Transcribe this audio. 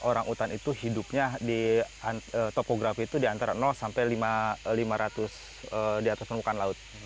orang utan itu hidupnya di topografi itu di antara sampai lima ratus di atas permukaan laut